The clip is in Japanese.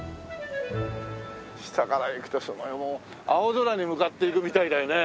下から行くとすごいもう青空に向かって行くみたいだよね。